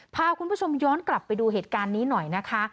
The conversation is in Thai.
พาคุณผู้ชมย้อนกลับไปดูเหตุการณ์นี้หน่อยนะคะ